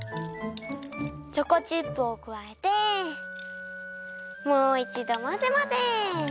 チョコチップをくわえてもういちどまぜまぜ！